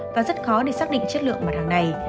và rất khó để xác định chất lượng mặt hàng này